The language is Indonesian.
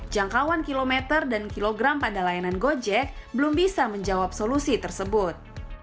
jangkauan kilometer dan kilogram pada layanan gojek belum bisa menjawab solusi tersebut